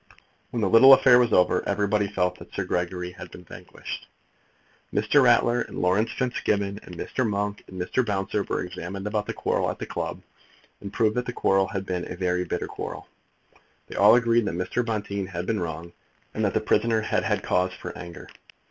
When the little affair was over, everybody felt that Sir Gregory had been vanquished. Mr. Ratler, and Laurence Fitzgibbon, and Mr. Monk, and Mr. Bouncer were examined about the quarrel at the club, and proved that the quarrel had been a very bitter quarrel. They all agreed that Mr. Bonteen had been wrong, and that the prisoner had had cause for anger.